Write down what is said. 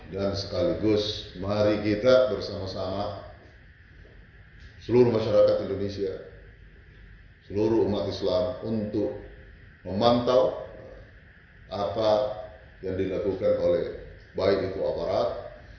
sekaligus mari kita bersama sama seluruh masyarakat indonesia seluruh umat islam untuk memantau apa yang dilakukan oleh baik itu aparat